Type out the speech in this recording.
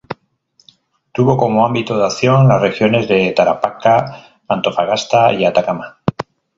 Tuvo como ámbito de acción las regiones de Tarapacá, Antofagasta y Atacama.